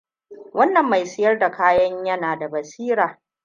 Wannan mai siyar da kayan yana da basira.